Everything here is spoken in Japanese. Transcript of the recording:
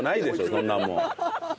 そんなもう。